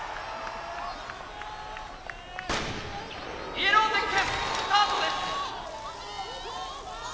「イエローゼッケンスタートです！」。